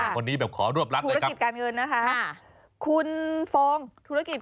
ค่ะอีก๑คู่แล้วเนี่ย